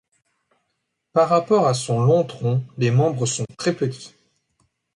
Par rapport à son long tronc, les membres sont très petits.